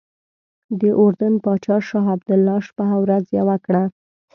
د اردن پاچا شاه عبدالله شپه او ورځ یوه کړه.